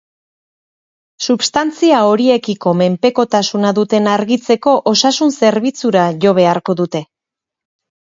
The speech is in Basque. Substantzia horiekiko menpekotasuna duten argitzeko osasun-zerbitzura jo beharko dute.